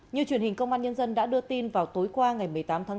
như truyền hình công an nhân dân đã đưa tin vào tối qua ngày một mươi tám tháng bốn